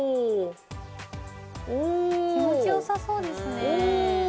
気持ちよさそうですね。